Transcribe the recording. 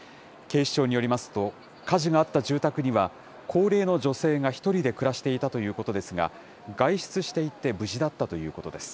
警視庁によりますと、火事があった住宅には、高齢の女性が１人で暮らしていたということですが、外出していて無事だったということです。